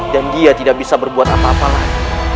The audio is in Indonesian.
dan dia tidak bisa berbuat apa apa lagi